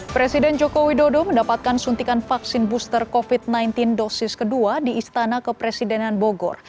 presiden joko widodo mendapatkan suntikan vaksin booster covid sembilan belas dosis kedua di istana kepresidenan bogor